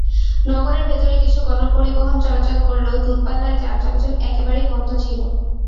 নগরের ভেতরে কিছু গণপরিবহন চলাচল করলেও দূরপাল্লার যান চলাচল একেবারেই বন্ধ ছিল।